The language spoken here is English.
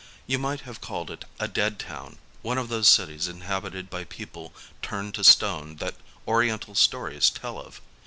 You might have called it a dead town, — one of those cities inhabited by people turned to stone that Oriental stories tell of.